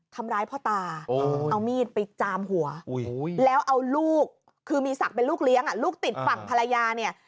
ทำร้ายพ่อตาเอามีดไปจามหัวแล้วเอาลูกคือมีศักดิ์เป็นลูกเลี้ยงลูกติดฝั่งภรรยาเนี่ย